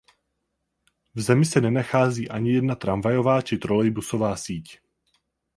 V zemi se nenachází ani jedna tramvajová či trolejbusová síť.